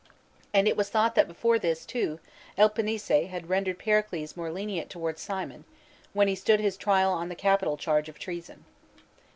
And it was thought that before this, too, Elpinice had rendered Pericles more lenient towards Cimon, when he stood his trial on the capital charge of treason.!